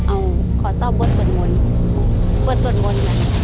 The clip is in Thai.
เอาขอตอบบทสวดมนต์บทสวดมนต์ค่ะ